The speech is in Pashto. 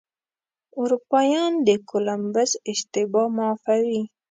اروپایان د کولمبس اشتباه معافوي.